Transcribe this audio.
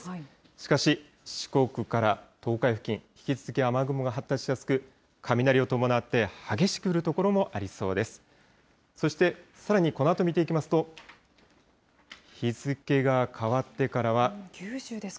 しかし四国から東海付近、引き続き雨雲が発達しやすく、雷を伴って激しく降る所もありそうです。